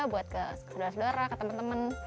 buat ke saudara saudara ke teman teman